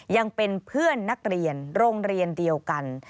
ยังเป็นเพื่อนนักเรียนโรงเรียนเดียวกัน